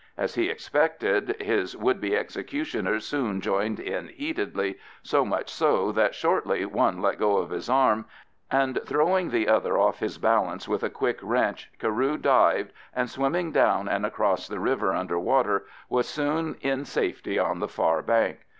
As he expected, his would be executioners soon joined in heatedly, so much so that shortly one let go of his arm, and throwing the other off his balance with a quick wrench, Carew dived, and swimming down and across the river under water was soon in safety on the far bank.